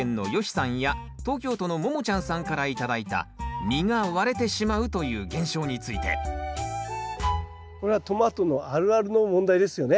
さんや東京都のももちゃんさんから頂いた実が割れてしまうという現象についてこれはトマトのあるあるの問題ですよね。